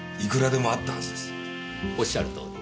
おっしゃるとおり。